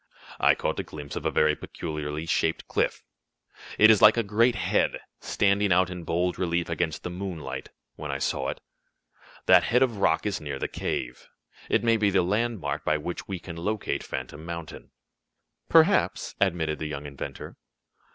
I caught a glimpse of a very peculiarly shaped cliff it is like a great head, standing out in bold relief against the moonlight, when I saw it. That head of rock is near the cave. It may be the landmark by which we can locate Phantom Mountain." "Perhaps," admitted the young inventor.